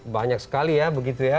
banyak sekali ya begitu ya